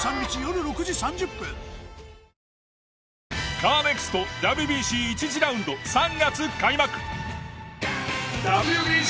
カーネクストＷＢＣ１次ラウンド３月開幕！